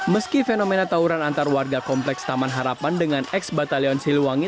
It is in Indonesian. meski fenomena tauran antar warga kompleks taman harapan dengan ex batalion siliwangi